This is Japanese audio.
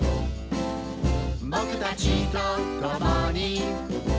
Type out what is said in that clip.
「ぼくたちとともに」